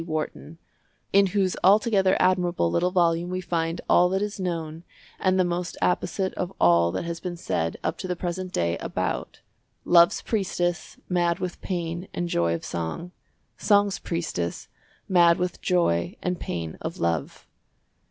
Wharton, in whose altogether admirable little volume we find all that is known and the most apposite of all that has been said up to the present day about "Love's priestess, mad with pain and joy of song, Song's priestess, mad with joy and pain of love."